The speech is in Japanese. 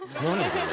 これ。